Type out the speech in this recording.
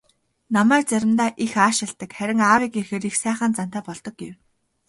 "Намайг заримдаа их аашилдаг, харин аавыг ирэхээр их сайхан зантай болдог" гэв.